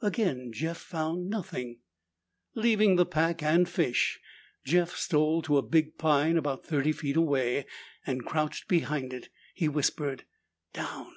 Again Jeff found nothing. Leaving the pack and fish, Jeff stole to a big pine about thirty feet away and crouched behind it. He whispered, "Down!"